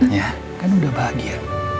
ya kan udah bahagia